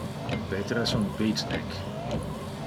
Peter es un beatnik.